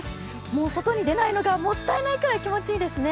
もう外に出ないのがもったないくらい気持ちいいですね。